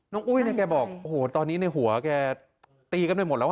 อุ้ยเนี่ยแกบอกโอ้โหตอนนี้ในหัวแกตีกันไปหมดแล้ว